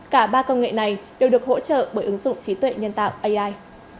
cả ba công nghệ này đều được hỗ trợ bởi ứng dụng trí tuệ nhân tạo ai